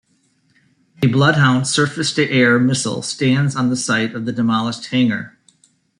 A Bloodhound surface-to-air missile stands on the site of the demolished hangar.